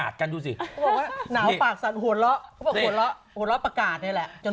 ในขณะที่ชาวเน็ตก็ยังให้ความสนุกสนาน